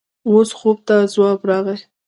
اوس خوب ته ځواب راغی.